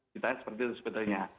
kita seperti itu sebetulnya